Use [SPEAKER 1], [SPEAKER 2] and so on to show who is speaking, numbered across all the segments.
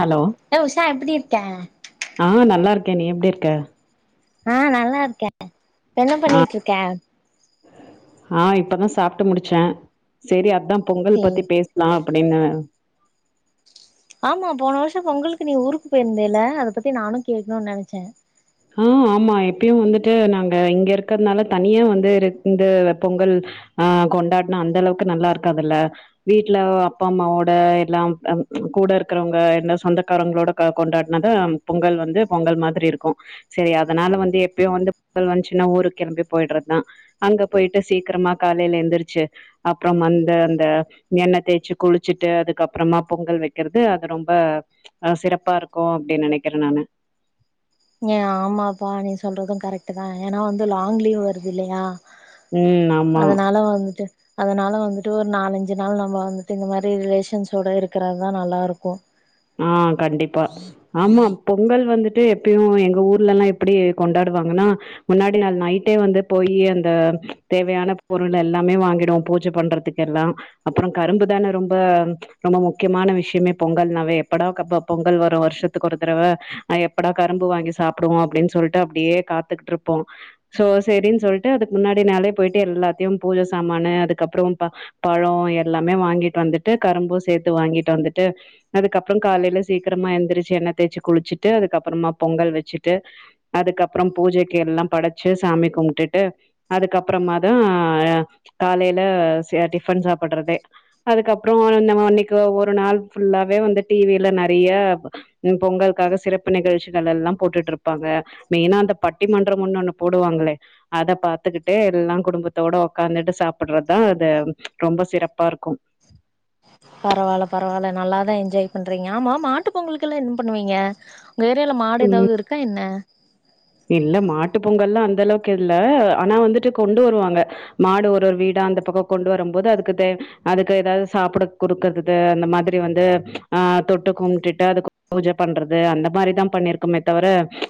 [SPEAKER 1] Hello
[SPEAKER 2] ஏ உஷா எப்டி இருக்கே
[SPEAKER 1] ஆஹ் நல்லா இருக்கே நீ எப்டி இருக்க
[SPEAKER 2] ஆஹ் நல்லா இருக்கே என்ன பண்ணிட் இருக்கே
[SPEAKER 1] ஆஹ் இப்பதா சாப்ட்டு முடிச்சே செரி அதா பொங்கல்
[SPEAKER 2] சேரி
[SPEAKER 1] பத்தி பேஸ்லா அப்டின்னு
[SPEAKER 2] ஆமா போன வர்சோ பொங்கலுக் நீ ஊர்க்கு போயிர்ந்தேல அத பத்தி நானு கேக்னு நெனச்சே
[SPEAKER 1] ஆஹ் ஆமா எப்யு வந்துட்டு நாங்க இங்க இருக்றத்னால தனியா வந்து இருந்து பொங்கல் அஹ் கொண்டாட்னா அந்த அளவுக்கு நல்லா இருக்காதுல்ல வீட்டுல அப்பா அம்மாவோட எல்லாம் கூட இருக்கறவங்க எந்த சொந்தக்காரவங்களோட கொண்டாடுனாதா பொங்கல் வந்து பொங்கல் மாதிரி இருக்கூ செரி அதனால வந்து எப்யு வந்து பொங்கல் வந்ச்சுனா ஊருக் கிளம்பி போய்ட்றதுதா அங்க போய்ட்டு சீக்கரமா காலைல எந்திரிச்சு அப்புறோம் வந்து அந்த எண்ண தேச்சு குளிச்சிட்டு அதுக்கப்பறமா பொங்கல் வைக்குறது அது ரொம்ப அஹ் சிறப்பா இருக்கூ அப்டினு நெனைக்குறே நானு
[SPEAKER 2] ஏ ஆமாப்பா நீ சொல்றது கரெக்ட் தா ஏனா வந்து லாங் லீவ் வர்து இல்லயா
[SPEAKER 1] உம் ஆமா
[SPEAKER 2] அதனால வந்துட்டு ஒரு நாலஞ்சு நாள் நம்ம வந்துட்டு இந்த மாறி ரிலேஷன்சோட இருக்குறதுதா நல்லா இருக்கு
[SPEAKER 1] ஆஹ் கண்டிப்பா ஆமா பொங்கல் வந்துட் டு எப்யு எங்க ஊர்லலா எப்டி கொண்டாடுவாங்கனா முன்னாடி நாள் நைட்டே வந்து போய் அந்த தேவையான பொருள் எல்லாமே வாங்கிடுவோ பூஜ பண்றதுக்கு எல்லா அப்றோ கரும்பு தானே ரொம்ப ரொம்ப முக்கியமான விஷ்யமே பொங்கல்னாவே எப்படா கம்ப பொங்கல் வரு வர்ஷத்துக்கு ஒரு தடவ எப்படா கரும்பு வாங்கி சாப்டுவோ அப்டினு சொல்ட்டு அப்டியே காத்துகிட்ருப்போ சோ சேரின்னு சொல்ட்டு அதுக்கு முன்னாடி நாளே பொய்ட்டு எல்லாத்தையு பூஜ சாமானு அதுக்கப்றோ ப‌ பழோ எல்லாமே வாங்கிட்டு வந்துட்டு கரும்பு சேத்து வாங்கிட்டு வந்துட்டு அதுக்கப் அப்றோ காலைல சீக்கரமா எந்திரிச்சி எண்ண தேச்சி குளிச்சிட்டு அதுக்கப்றமா பொங்கல் வச்சிட்டு அதுக்கப்றோ பூஜைக்கு எல்லா படச்சு சாமி கும்ட்டுட்டு அதுக்கப்றமா தா காலைல சே டிஃபன் சாப்பட்றதே அதுக்கப்றோ என்னமோ அன்னைகோ ஒரு நாள் ஃபுல்லாவே வந்து டிவில நெறையா பொங்கலுக்காக சிறப்பு நிகழ்ச்சிகள் எல்லா போட்டுட்டு இருப்பாங்க மெய்னா அந்த பட்டிமன்றம் ஒன்னுணு போடுவாங்களே அத பாத்துக்கிட்டே எல்லா குடும்பத்தோட ஒக்காந்துட்டு சாப்புட்றதா அத ரொம்ப சிறப்பா இருக்கு
[SPEAKER 2] பரவால பரவால நல்லாதா என்ஜாய் பண்றீங்க ஆமா மாட்டு பொங்கல்கெல்லா என்னா பண்ணுவீங்க வேறெல மாடு
[SPEAKER 1] ம்
[SPEAKER 2] ஏதாது இருக்கா என்ன
[SPEAKER 1] இல்ல மாட்டு பொங்கல்லா அந்த அளவுக்கில்ல ஆனா வந்துட்டு கொண்டு வருவாங்க மாடு ஒரு ஒரு வீடா அந்த பக்கோ கொண்டு வரும் போது அதுக்கு தேவ் அதுக்கு ஏதாது சாப்ட குடுக்குறது அந்த மாதிரி வந்து ஆஹ் தொட்டு கும்ட்டுட்டு அதுக்கு பூஜ பண்றது அந்த மாரிதா பண்ணிருக்கமே தவர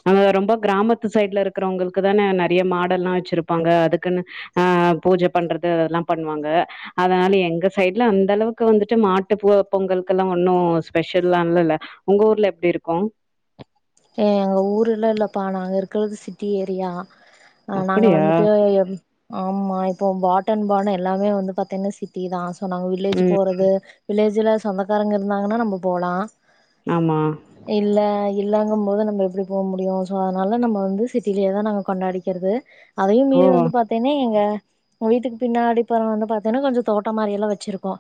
[SPEAKER 1] அங்க ரொம்ப கிராமத்து சைட்ல இருக்குறவங்களுக்கு தானே நெறைய மாடெல்லா வச்சிருப்பாங்க அதுக்குன்னு ஆஹ் பூஜ பண்றது அதல்லா பண்ணுவாங்க அதனால எங்க சைட்ல அந்த அளவுக்கு வந்துட்டு மாட்டு போ பொங்கலுக்கெல்லா ஒன்னு ஸ்பெஷல்லா இல்லல ஒங்க ஊர்ல எப்டி இருக்கு
[SPEAKER 2] ஏ எங்க ஊருலா இல்லப்பா நாங்க இருக்குறது சிட்டி ஏரியா ஆஹ் நாங்க
[SPEAKER 1] அப்படியா?
[SPEAKER 2] வந்துட்டு எம் ஆமா இப்போ பாத் தன்பான எல்லாமே வந்து பாத்தீன்னா சிட்டி தா சொன்னாங்க வில்லேஜ்
[SPEAKER 1] ம்.
[SPEAKER 2] போறது வில்லேஜ் இதுல சொந்தக்காரங்க இருந்தாங்கன்னா நம்ப போலா
[SPEAKER 1] ஆமா.
[SPEAKER 2] இல்ல அது இல்லங்க போது நம்ப எப்டி போ முடியு சோ அதனால நம்ப வந்து சிட்டிலயேதா நாங்க கொண்டாடிக்கிறது அதையு
[SPEAKER 1] ஓ!
[SPEAKER 2] மீறி வந்து பாத்தீன்னா எங்க வீட்டுக் பின்னாடிப்புறோ வந்து பாத்தீனா கொஞ்ஜோ தோட்ட மாறியெல்லா வச்சிருக்கோ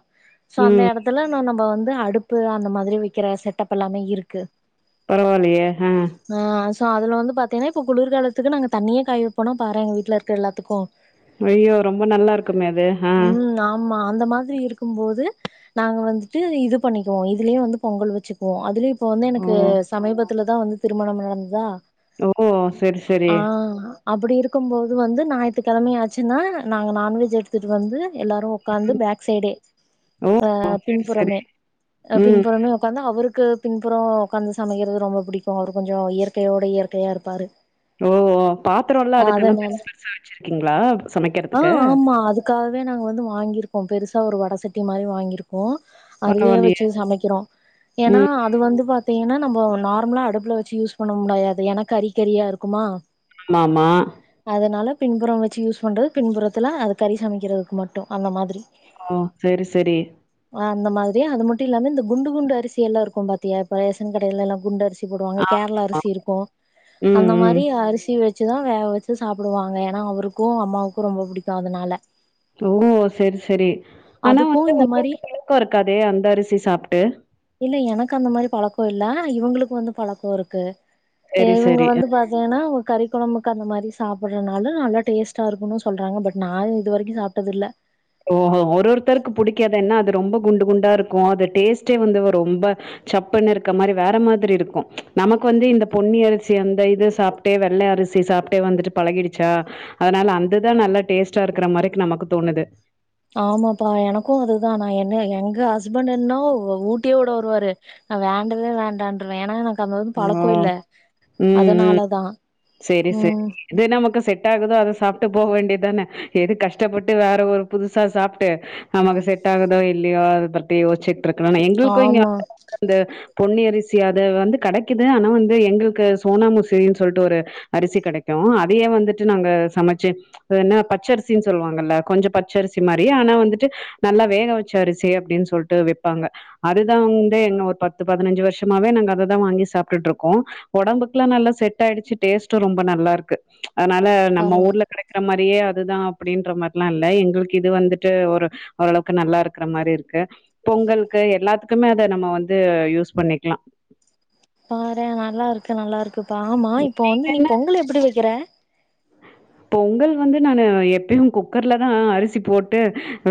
[SPEAKER 2] சோ அந்த
[SPEAKER 1] ம்.
[SPEAKER 2] எடத்துல நா நம் இப்ப வந்து அடுப்பு அந்த மாறி விக்கிற செட்டப் எல்லாமே இருக்கு
[SPEAKER 1] பரவாலயே ஆஹ்
[SPEAKER 2] ஆ அதுல வந்து பாத்தீங்னா இப்போ குளிர்காலத்துக்கு நாங்க தண்ணியே காயவப்போனா பாரே எங்க வீட்ல இருக்க எல்லாத்துக்கு
[SPEAKER 1] ஏ ரொம்ப நல்லாருக்குமே அது ஹா
[SPEAKER 2] ம் ஆமா அந்த மாதிரி இருக்கும்போது நாங்க வந்துட்டு இது பண்ணிக்குவோ இதுலயே வந்து பொங்கல் வச்சுக்குவோ அதுலயு இப்ப வந்து
[SPEAKER 1] ஓ
[SPEAKER 2] எனக்கு விபத்துல தா வந்து திருமணம் நடந்ததா
[SPEAKER 1] ஓ சரி சரி
[SPEAKER 2] அப்பிடி இருக்கும்போது வந்து ஞாயித்துக்கெழம ஆச்சுன்னா நாங்க நான்வெஜ் எடுத்துட்டு வந்து எல்லாரு ஒக்காந்து பேக் சைடே
[SPEAKER 1] ஓ
[SPEAKER 2] அ
[SPEAKER 1] சரி சரி
[SPEAKER 2] பின்புறமே அ
[SPEAKER 1] ம்
[SPEAKER 2] பின்புறமே ஒக்காந்து அவுருக்கு பின்புறோ ஒக்காந்து சமைகிறது ரொம்ப புடிக்கு அவர் கொஞ்ஜோ இயற்கையோட இயற்கையா இருப்பாரு
[SPEAKER 1] ஓ பாத்தரோல்லா எதுக்கு
[SPEAKER 2] அதனால
[SPEAKER 1] பெருசு பெருசா வச்சிருக்கீங்களா
[SPEAKER 2] ஆ
[SPEAKER 1] சமைக்கறதுக்கு
[SPEAKER 2] ஆமா அதுக்காகவே நாங்க வந்து வாங்கியிருக்கோ பெருசா ஒரு வட சட்டி மாரி வாங்கிருக்கோ அதுலே
[SPEAKER 1] பரவாயில்லையே
[SPEAKER 2] வச்சி சமைக்கிறோ ஏன்னா
[SPEAKER 1] ம்
[SPEAKER 2] அது வந்து பாத்தீங்கன்னா ஒ நர்மலா அடுப்புல வச்சி யூஸ் பண்ண முடயாது அது ஏன்னா கறிக்கறியா இருக்குமா
[SPEAKER 1] ஆமா
[SPEAKER 2] பின்புறோ வச்சி யூஸ் பண்றது பின்புறத்துல அது கறி சமைக்கிறதுக்கு மட்டு அந்த மாதிரி
[SPEAKER 1] ஓ சரி சரி.
[SPEAKER 2] அஹ் அந்த மாதிரி அது மட்டு இல்லாம இந்த குண்டு குண்டு அரிசி எல்லா இருக்கும் பாத்தியா இப்ப ரேஸ் ஷங்கடைலல்லா குண்டரிஸ் சி போடுவாங்க கேரளா
[SPEAKER 1] ஆமாமா.
[SPEAKER 2] அரிசி இருக்கு
[SPEAKER 1] ம்
[SPEAKER 2] அந்த
[SPEAKER 1] ம்.
[SPEAKER 2] மாரி அரிசி வெச் ச்சுதா வேக வெச்சு சாப்புடுவாங்க ஏன்னா அவருக்கு அம்மாவுக்கு ரொம்ப புடிக்கு அதனால
[SPEAKER 1] ஓ செரி செரி ஆனா
[SPEAKER 2] அதுக்கு
[SPEAKER 1] வந்து
[SPEAKER 2] இந்த மாரி
[SPEAKER 1] உங்களுக்கு பலக்கோ இருக்காதே அந்த அரிசி சாப்ட்டு
[SPEAKER 2] இல்ல எனக்கு அந்த மாரி பலக்கோ இல்ல இவங்களுக்கு வந்து பலக்கோருக்கு எ
[SPEAKER 1] சரி
[SPEAKER 2] இவங்க
[SPEAKER 1] சரி.
[SPEAKER 2] வந்து பாத்தீங்கன்னா ஒர் கறி கொழம்புக்கு அந்த மாரி சாப்புட்றனால நல்லா டேஸ்ட்டாருக்குனு சொல்றாங்க பட் நா அது இது வரைக்கு சாப்ட்டதில்ல
[SPEAKER 1] ஓஹோ ஒரொருத்தருக்கு புடிக்காதென்னா அது ரொம்போ குண்டு குண்டாருக்கு அது டேஸ்ட்டே வந்து வ ரொம்ப ச்சப்புன்னுருக்க மாரி வேற மாதிரி இருக்கு நமக்கு வந்து இந்த பொன்னி அரிசி அந்த இது சாப்ட்டே வெள்ள அரிசி சாப்ட்டே வந்துட்டு பலகிடிச்சா அதுனால அந்தது நல்ல டேஸ்ட்டா இருக்குற மாரிக்கு நமக்கு தோணுது
[SPEAKER 2] ஆமாப்பா எனக்கு அதுதா நா என்ன எங்க ஹஸ்பண்ட் என்னா ஒ ஊட்டியோட வருவாரு நா வேண்டவே வேண்டான்டுருவ ஏன்னா எனக் அது வந்து
[SPEAKER 1] ஓ!
[SPEAKER 2] பலக்கோ இல்ல அதனாலதா
[SPEAKER 1] சேரி சேரி
[SPEAKER 2] ம்
[SPEAKER 1] எது நமக்கு செட்டாகுதோ அத சாப் ட்டு போ வேண்டியதான எது கஷ்டப்பட்டு வேற ஒரு புதுசா சாப்ட்டு நமக்கு செட்டாகுதோ இல்லியா அத பத்தி யோஸ்ச்சிட் ட்ருக்கனுன் எங்கள்க்கு இங்க
[SPEAKER 2] ஆமா
[SPEAKER 1] [inaudible] அந்த பொன்னி அரிசி அத வந்து கெடைக்குது ஆனா வந்து எங்கள்க்கு சோனா முசிரின் சொல்ட்டு ஒரு அரிசி கெடைக்கு அதயே வந்துட்டு நாங்க சமச்சி அதென்ன பச்சரிசின் சொல்வாங்கல்ல கொஞ்சொ பச்சரிசி மாரி ஆனா வந்துட்டு நல்லா வேக வெச்ச அரிசி அப்டின் சொல்ட்டு விப்பாங்க அதுதா வந்து என்ன ஒரு பத்து பதனஞ்சி வர்ஷமாவே நாங்க அததா வாங்கி சாப்டுட்டுருக்கோ ஒடம்புக்லா நல்லா செட் ஆயிடிச்சி டேஸ்ட்டு ரொம்ப நல்லாருக்கு அதனால நம்ம
[SPEAKER 2] பரவா
[SPEAKER 1] ஊர்ல கெடைக்கிற மாரி நெறிய அதுதா அப்படின்ற மார்ல்லா இல்ல எங்களுக்கு இது வந்துட்டு ஒரு ஓரளவுக்கு நல்லாருக்கற மாரி இருக்கு பொங்கலு எல்லாத்துக்குமே அத நம்ம வந்து யூஸ் பண்ணிக்லா
[SPEAKER 2] பாறே நல்லாருக்கு நல்லாருக்கு ஆமா இப்ப வந்து நீ
[SPEAKER 1] என்ன
[SPEAKER 2] பொங்கல் எப்படி வெக்குற
[SPEAKER 1] பொங்கல் வந்து நானு எப்பயும் குக்கர்லதா அரிசி போட்டு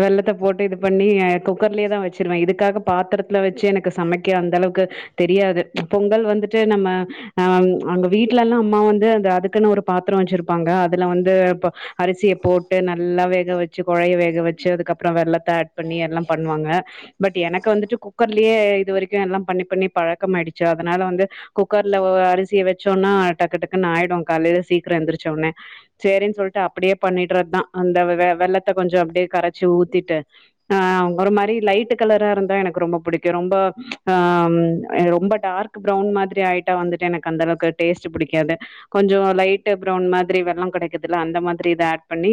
[SPEAKER 1] வெள்ளத்த போட்டு இது பண்ணி அஹ் குக்கர்லயே தா வெச்சிருவே இதுக்காக பாத்தரத்துல வெச்சி எனக்கு சமைக்க அந்த அளவுக்கு தெரியாது பொங்கல் வந்துட்டு நம்ம அஹ் அங்க வீட்டுலலா அம்மா வந்து அந்த அதுக்குன்னு ஒரு பாத்தரோ வெச்சிருப்பாங்க அதுல வந்து அரிசிய போட்டு நல்லா வேக வச்சி‌ கொழைய வேக வச்சி அதுக்கப்புறோ வெள்ளத்த ஹட் பண்ணி எல்லாம் பண்ணுவாங்க பட் எனக்கு வந்துட்டு குக்கர்லயே இது வரைக்கு எல்லாம் பண்ணி பண்ணி பழக்கமாயிடிச்சா அதனால வந்து குக்கர்ல அரிசிய வெச்சோன்னா டக்கு டக்குன்னு ஆயிடு காலைல சீக்கிரோ எந்திரச்சோட்னே சேரின் சொல்ட்டு அப்படியே பண்ணிட்டுறத் தா அந்த வெள்ளத்த கொஞ்சோ அப்டியே கரச்சி ஊத்திட்டு அஹ் ஒரு மாரி லைட்டு கலராருந்தா எனக்கு ரொம்ப புடிக்கு ரொம்ப அஹ் ரொம்ப டார்க் ப்ரௌன் மாதிரி ஆயிட்டா வந்துட்டு எனக்கு அந்த அளவுக்கு டேஸ்ட் பிடிக்காது கொஞ்சோ‌ லைட்டு ப்ரௌன் மாதிரி வெள்ளங் கெடைக்குதுல அந்த மாதிரி இத ஹட் பண்ணி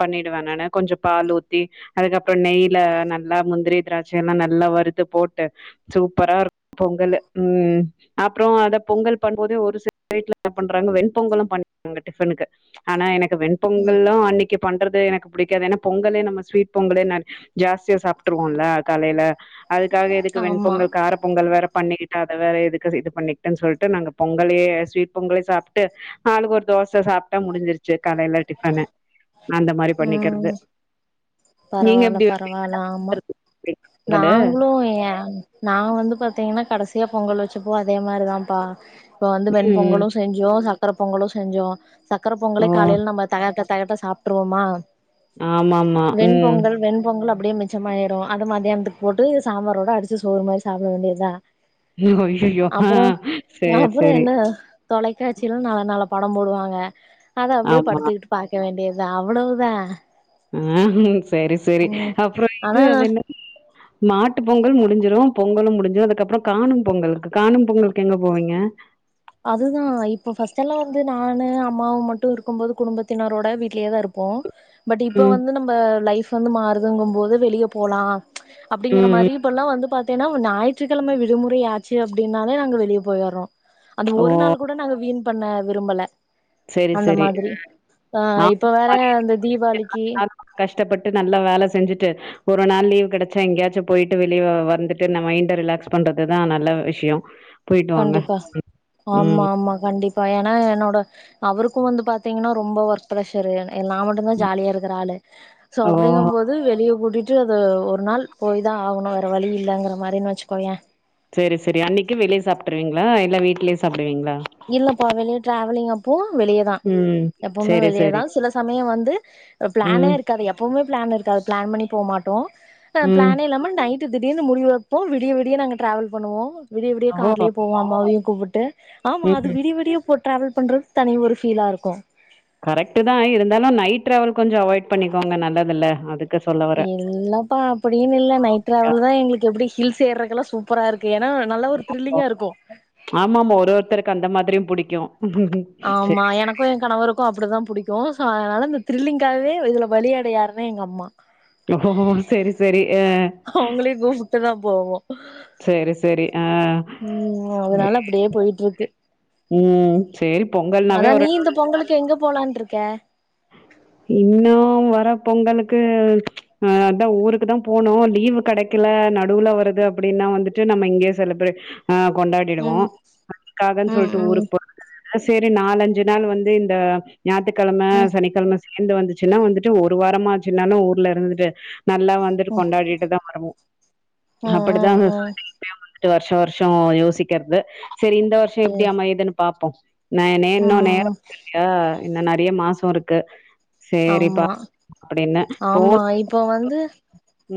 [SPEAKER 1] பண்ணிடுவ நானு கொஞ்சோ பால் ஊத்தி அதுக்கப்புறோ நெய்ல நல்லா முந்திரி திராட்ச எல்லா நல்லா வறுத்து போட்டு சூப்பராருக் பொங்கலு ம் அப்புறோ‌ அத பொங்கல் பண்போது ஒரு சிட்டிகை [unintelligible] பண்றாங்க வெண்பொங்கலு பண்றாங்க டிஃப்பனுக்கு ஆனா எனக் கு
[SPEAKER 2] ம்
[SPEAKER 1] வெண்பங்கள்லா அன்னிக்கு பண்றது எனக்கு பிடிக்காது ஏன்னா பொங்கலே நம்ம ஸ்வீட் பொங்கலே ஜாஸ்தியா சாப்ட்டுருவோல்ல காலைல அதுக்காக எதுக்கு
[SPEAKER 2] ஆமா
[SPEAKER 1] வெண்பொங்கல் கார பொங்கல் வேற பண்ணிக்கிட்டு அத வேற எதுக்கு இது பண்ணிக்கிட்டுன் சொல்ட்டு நாங்க பொங்கலையே ஸ்வீட் பொங்கலையே சாப்ட்டு ஆளுக்கொரு தோச சாப்ட் டா முடிஞ்சிருச்சி காலைல டிஃபனு அந்த மாரி பண்ணிக்கற்து
[SPEAKER 2] பரவால் பரவால்ல ஆமா
[SPEAKER 1] பொங்கலு
[SPEAKER 2] நாங்ளு ஏ நா வந்து பாத்தீங்னா கடசியா பொங்கல் வச்சுப்போ அதே மாரிதாம்ப்பா சோ வந்து
[SPEAKER 1] ம்
[SPEAKER 2] வெண்பொங்கலு செஞ்சோ சக் கர பொங்களு செஞ்சோ சக்கர
[SPEAKER 1] ஓ
[SPEAKER 2] பொங்கலே காலைல நம்ப [unintelligible] தெகட்ட சாப்ட்ருவோமா
[SPEAKER 1] ஆமாமா ம்
[SPEAKER 2] ப்டே மி மிச்சம் ஆயிரு அது மாத் தியான்துக்கு போட்டு சாம்பாரோட அடி சோறு மாதிரி சாப்புட வேண்டியதுதா
[SPEAKER 1] ஐயயோ ஆ
[SPEAKER 2] அப்புறோ
[SPEAKER 1] சேர்
[SPEAKER 2] அப்புறோ
[SPEAKER 1] சேரி
[SPEAKER 2] என்ன தொலைக்காட்சி எல்லா நா நல்ல பட போடுவாங்க அத அப்டே
[SPEAKER 1] ஆமா
[SPEAKER 2] படுத்துகுட்டு பா்க்க வேண்டியது த அவளோதா
[SPEAKER 1] ம் ஹு சரி சரி அப்பறோ இது
[SPEAKER 2] ஆனா
[SPEAKER 1] அது என்னது மாட்டு பொங்கல் முடிஞ்சிரு பொங்கலு முடிஞ்சிடு அதுக்கப்றோ காணும் பொங்கல் காணு பொங்கலுக்கு எங்க போவீங்க
[SPEAKER 2] அதுதா இப்ப ஃபர்ஸ்ட் எல்லா வந்து நானு அம்மாவு மட்டு இருக்கும் போது குடும்பத்தினரோட வீட்லயே தா இருப்போ பட் இப்போ
[SPEAKER 1] ம்,
[SPEAKER 2] வந்து நம்ப லைஃப் வந்து மாறுதுங்கும்போது வெளிய போலா அப்டிங்கிற
[SPEAKER 1] ம்,
[SPEAKER 2] மாரி
[SPEAKER 1] ம்.
[SPEAKER 2] இப்பலா வந்து பாத் தேனா ஞாயிற்றுக்கெழம விடுமுறை ஆச்சு அப்டின்னாலே நாங்க வெளிய போயற்றோ அது
[SPEAKER 1] ஓ!
[SPEAKER 2] ஒரு நாள் கூட நாங்க வீண் பண்ண விரும்பல
[SPEAKER 1] சரி,
[SPEAKER 2] அந்த
[SPEAKER 1] சரி.
[SPEAKER 2] மாதுரி அ இப்ப
[SPEAKER 1] ஆமா.
[SPEAKER 2] வேற எந்த தீபாளிக்கி
[SPEAKER 1] ட்டப்பட்டு நல்லா வேலைசெஞ்சுட்டு ஒரு நாள் லீவ் கெடச்சா எங்கேயாச்சு போயிட்டு வெளிய வந்துட்டு ந மைண்ட ரிலாக்ஸ் பண்றதுதா நல்ல விஷிய
[SPEAKER 2] கண்டிப்பா ஆமா ஆமா கண்டிப்பா இப்போ ஏன்னா என்னோட அவருக்கு வந்து பார்த்தீங்கன்னா ரொம்ப ஒர்க் ப்ரெஷரு எல்லா மட்டும்தா ஜாலியா இருக்குற ஆளு சோ
[SPEAKER 1] ஓ!
[SPEAKER 2] அப்டிங்கும்போது வெளிய கூட்டிட் அது ஒரு நாள் போயி தா ஆகணு வேற வழி இல்லலங்குற மாரின் வச்சுக்கோய
[SPEAKER 1] சேரி சரி அன்னக்கு வெளிய சாப்ட்ருவீங்களா இல்லா வீட்டுலயே சாப்
[SPEAKER 2] இல்லப்பா வெளிய ட்ரேப் சொல்லிங்க அப்போ வெளியேதான்
[SPEAKER 1] ம்.
[SPEAKER 2] எப்பவுமே
[SPEAKER 1] சரி, சரி.
[SPEAKER 2] வெளியேதான் சில சமயம் வந்து ஒரு பிளானே
[SPEAKER 1] ம்,
[SPEAKER 2] இருக்காது எப்பவுமே பிளான் இருக்கா பிளான் பண்ணி போமாட்டோம்
[SPEAKER 1] ம்.
[SPEAKER 2] பிளான் இல்லாம நைட் திடீர் முடிவ வைப்போம் விடிய விடியா நாங்க டிரராாவல் பண்ணுவோம் விடிய விடிய
[SPEAKER 1] ஓ!
[SPEAKER 2] கார்லே போவாம் அம்மாவையும் கூப்பிட்டு [unintelligible] ஆமா அது
[SPEAKER 1] ம்.
[SPEAKER 2] விடி விடிய இப்போ டிரராவல் பண்றதுக்கு தனி ஒரு ஃபீலா இருக்கும்
[SPEAKER 1] கரெக்ட் தான் இருந்தாலும் நைட் டிராவல் கொஞ்சம் அவாய்ட் பண்ணிக்கோங்க நல்லதுல்ல அது
[SPEAKER 2] எல்லப்பா அப்படின்னு இல்லை நைட் டிராவல் தான் எங்களுக்கு எப்படி ஹில்ஸ் ஏறெக்ல்லாம் சூப்பரா இருக்கு ஏன்னா நல்லா ஒரு த்ரில்லிங்கா இருக்கு
[SPEAKER 1] ஆமாமா ஒரு ஒருத்தருக்கு அந்த மாதிரியும் புிடிக்கும் [unintelligible]
[SPEAKER 2] ஆமா எனக்கும் என் கணவருக்கும் அப்படிதான் பிடிக்கும் அதனால இந்த த்ரில்லிங்காகவே இதுல பலியாடையாருன்னு எங்க அம்மா
[SPEAKER 1] ஓ சரி சரி ஆஹ்
[SPEAKER 2] போவோம் உம் அதனால அப்படியே போயிட்டு இருக்கு
[SPEAKER 1] உம் சரி பொங்கல்னாவே ஒரு
[SPEAKER 2] அதான் நீ இந்த பொங்கலுக்கு எங்க போலான்ருக்க
[SPEAKER 1] இன்னு வர பொங்கலுக்கு அ அதா ஊருக்கு தா போனோ லீவு கிடைக்கல நடுவுல வருது அப்படின்னா வந்துட்டு நம்ம இங்கேயே செலப்ரெட் ஆ கொண்டாடிடுவோ
[SPEAKER 2] ம்
[SPEAKER 1] பண்ணிக்காகன்
[SPEAKER 2] ம்
[SPEAKER 1] சொல்ட்டு
[SPEAKER 2] ம்
[SPEAKER 1] ஊருக்கு போ [unintelligible] அ செரி நாலஞ்சு நாள் வந்து இந்த ஞாயிற்றுகெழம
[SPEAKER 2] ம்
[SPEAKER 1] சனிக்கெழம சேந்து வந்துச்சுன்னா வந்துட்டு ஒரு வாரமா ஆச்சுனாலா ஊர்ல இருந்துட்டு நல்லா வந்துட்டு
[SPEAKER 2] ம்
[SPEAKER 1] கொண்டாடிட்டுதா வருவோ
[SPEAKER 2] ம்
[SPEAKER 1] அப்படிதா
[SPEAKER 2] ம் ம்
[SPEAKER 1] சொல்லிட்டே வந்த ட் வருஷ வருஷ யோசிக்கிறது சரி இந்த வருஷம் எப்டி
[SPEAKER 2] சேரி
[SPEAKER 1] ஆமயுதுன்னு பாப்போ நான் என்ன இன்னோ நே
[SPEAKER 2] ம்
[SPEAKER 1] [unintelligible] இல்யா இன்னு நெறைய மாசோ இருக்கு சேரிப்பா
[SPEAKER 2] ஆமா
[SPEAKER 1] அப்டின்னு
[SPEAKER 2] ஆமா
[SPEAKER 1] போன்
[SPEAKER 2] இப்ப வந்து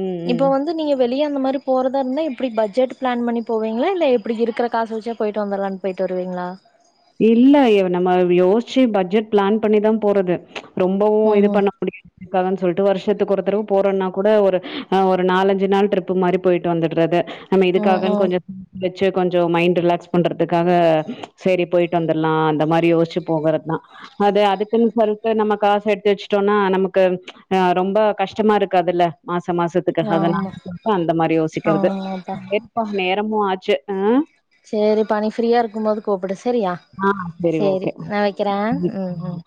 [SPEAKER 1] ம் ம்
[SPEAKER 2] இப்ப வந்து நீங்க வெளிய இந்தமாரி போறதா இருந்தா இப்டி பஜ்ஜட் ப்ளான் பண்ணி போவீங்களா இல்ல எப்டி இருக்கற காச வச்சே போயிட்டு வந்துரலான்னு போயிட்டு வருவீங்ளா
[SPEAKER 1] இல்ல நம்ம யோசிச்சு பட்ஜெட் ப்ளான் பண்ணிதான் போறது ரொம்பவு
[SPEAKER 2] ம்
[SPEAKER 1] இது
[SPEAKER 2] ம்
[SPEAKER 1] பண்ண முடியாது காகன் சொல்ட்டு வருஷத்துக்கு ஒரு தரவ போறன்னா கூட ஒரு ஒரு நாலஞ்சு நாள் ட்ரிப்பு மாரி போயிட்டு வந்துடுறது நம்ம
[SPEAKER 2] ம்
[SPEAKER 1] இதுக்காகன்
[SPEAKER 2] ம்
[SPEAKER 1] கொஞ்ச த் ஞ்ச கொஞ்ச மைண்ட் ரிலாக்ஸ் பண்றதுக்காக செரி போய்ட் ட்டு வந்தர்லா அந்த மாரி யோஸ்ச்சு போகறத்தா அத அதுக்குன் சொல்டு நம்ம காசு எடுத்து வச்ட்டோனா நமக்கு அ ரொம்ப கஷ்டமா இருக்காதுல்ல மாஸ் மாசத்துக்கு அதனா
[SPEAKER 2] ஆமா
[SPEAKER 1] அந்த மாரி யோசிக்கிறது
[SPEAKER 2] ஆமாப்பா
[SPEAKER 1] எப்பா நேரமு ஆச்சு அ
[SPEAKER 2] சேரிப்பா நீ ஃப்ரீயா இருக்கும் போது கூப்டு ஸ் செரியா
[SPEAKER 1] ஆ சரி
[SPEAKER 2] சேரி
[SPEAKER 1] ஓகே.
[SPEAKER 2] நா வக்கறே உம் உம்